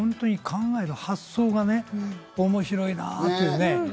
考える発想がね、面白いなぁという。